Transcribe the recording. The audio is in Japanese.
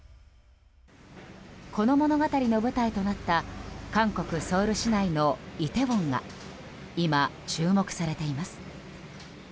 この物語の舞台となった韓国ソウル市内のイテウォンが今、注目されています。